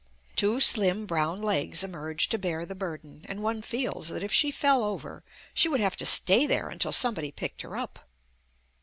Two slim brown legs emerge to bear the burden, and one feels that if she fell over she would have to stay there until somebody picked her up.